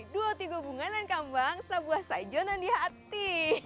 dua tiga bunga dan kambang sebuah saja nanti hati